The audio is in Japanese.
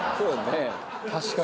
確かに。